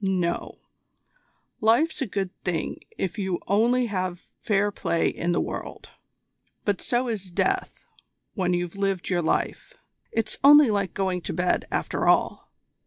No; life's a good thing if you only have fair play in the world; but so is death when you've lived your life. It's only like going to bed, after all.